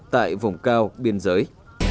tại vùng cao biên giới